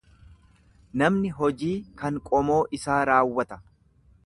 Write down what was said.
Namni hojii kan qomoo isaa raawwata.